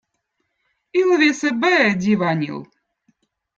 ilvez eb õõ d̕iivanill